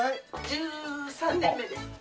１３年目です。